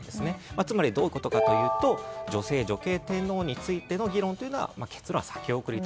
つまり、どういうことかというと女性・女系天皇についての議論、結論は先送りと。